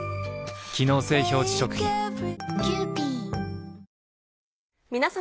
機能性表示食品皆様。